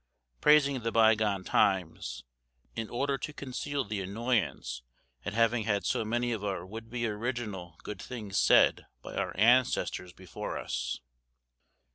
Praising the bygone times, in order to conceal the annoyance at having had so many of our would be original good things said by our ancestors before us.